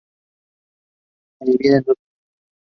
Se divide en dos plantas.